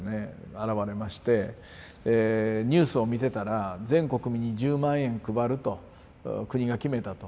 現れましてニュースを見てたら全国民に１０万円配ると国が決めたと。